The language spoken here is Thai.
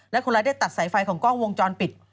และคนร้ายได้ตัดสายไฟของกล้องวงจรปิด